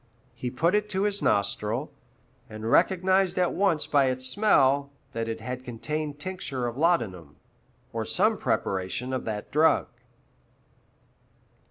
He put it to his nostril, and recognized at once by its smell that it had contained tincture of laudanum, or some preparation of that drug.